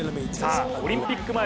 さあオリンピック